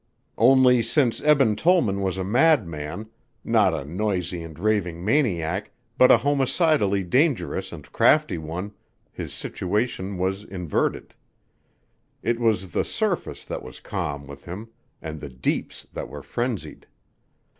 Only since Eben Tollman was a madman not a noisy and raving maniac but a homicidally dangerous and crafty one his situation was inverted. It was the surface that was calm with him and the deeps that were frenzied.